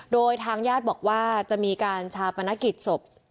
โดยทางญาติบอกว่าจะมีการชาปนกิจศพ